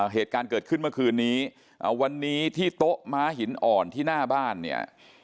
เหตุการณ์เกิดขึ้นเมื่อคืนนี้วันนี้ที่โต๊ะม้าหินอ่อนที่หน้าบ้านเนี่ย